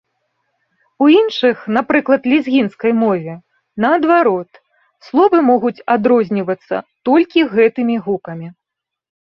У іншых, напрыклад лезгінскай мове, наадварот, словы могуць адрознівацца толькі гэтымі гукамі.